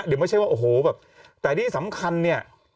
เดี๋ยวไม่ใช่ว่าโอ้โหแบบแต่ที่สำคัญเนี่ย